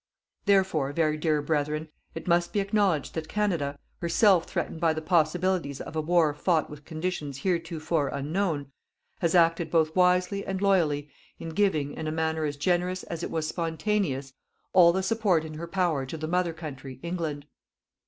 Therefore, very dear Brethren, it must be acknowledged that Canada, herself threatened by the possibilities of a war fought with conditions heretofore unknown, has acted both wisely and loyally in giving, in a manner as generous as it was spontaneous, all the support in her power to the mother country, England.